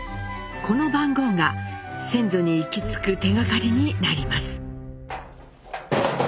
この番号が先祖に行き着く手がかりになります。